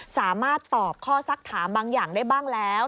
สามารถตอบข้อสักถามบางอย่างได้บ้างแล้ว